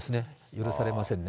許されませんね。